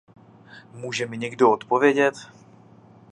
Může mi někdo odpovědět?